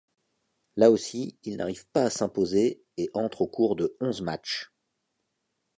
Là aussi, il n'arrive pas à s'imposer et entre au cours de onze matchs.